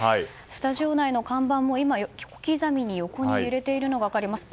スタジオ内の看板も今、小刻みに横に揺れているのが分かります。